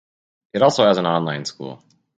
It also has an online school